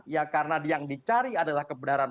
ya karena yang dicari adalah kebenaran